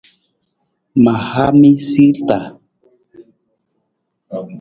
Ma haa mi siirta.